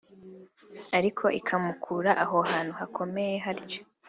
Ariko ikimukura aho hantu hakomeye hatyo